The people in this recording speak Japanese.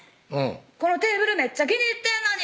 「このテーブルめっちゃ気に入ってんのに」